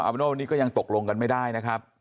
เป็นว่าวันนี้ก็ยังตกลงกันไม่ได้นะครับ